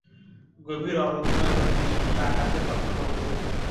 গভীর অরণ্য এবং বিস্তৃত আকাশের কথা মনে পড়িত।